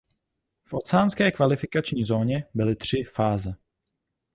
V oceánské kvalifikační zóně byly tři fáze.